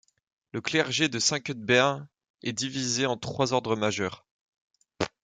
Le clergé de Saint Cuthbert est divisé en trois ordres majeurs.